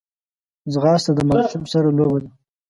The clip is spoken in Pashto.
ځغاسته د ماشوم سره لوبه ده